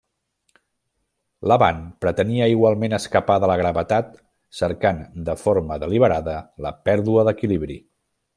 Laban pretenia igualment escapar de la gravetat cercant de forma deliberada la pèrdua d'equilibri.